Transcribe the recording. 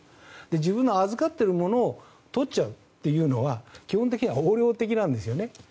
自分が預かっているものからとっちゃうっていうのは基本的には横領的なんですよね。